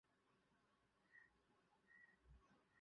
They had many children of many ethnicities.